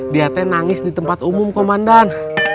dia te nangis di tempat umum komandan